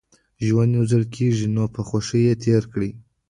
ژوند يوځل کېږي نو په خوښۍ يې تېر کړئ